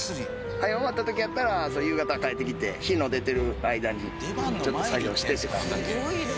早う終わった時やったら夕方帰ってきて日の出てる間にちょっと作業してって感じで。